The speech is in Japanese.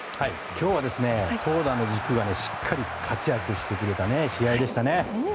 今日は投打の軸がしっかり活躍してくれた試合でしたね。